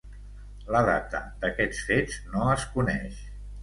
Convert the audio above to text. La data d'aquests fets no es coneix.